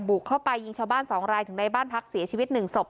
บุกเข้าไปยิงชาวบ้าน๒รายถึงในบ้านพักเสียชีวิต๑ศพ